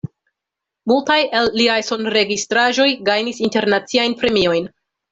Multaj el liaj sonregistraĵoj gajnis internaciajn premiojn.